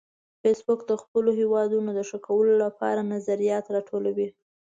فېسبوک د خپلو هیوادونو د ښه کولو لپاره نظریات راټولوي